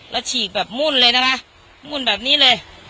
แล้วฉีกแบบมุ่นเลยนะคะมุ่นแบบนี้เลย